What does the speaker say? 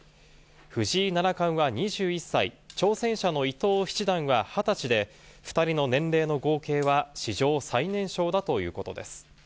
藤井七冠は２１歳、挑戦者の伊藤七段は２０歳で、２人の年齢の合計は史上最年少だということです。